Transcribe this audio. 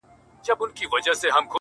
څو بې غیرته قاتلان اوس د قدرت پر ګدۍ-